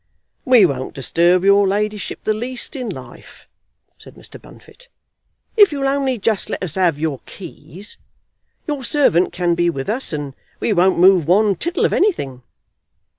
"We won't disturb your ladyship the least in life," said Mr. Bunfit, "if you'll only just let us have your keys. Your servant can be with us, and we won't move one tittle of anything."